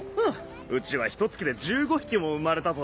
うちはひと月で１５匹も生まれたぞ。